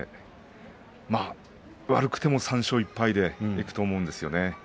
悪くても３勝１敗でいくと思うんですよね。